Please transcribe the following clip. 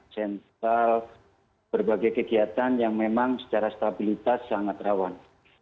sentral berbagai kegiatan yang memang secara stabilitas sangat rawan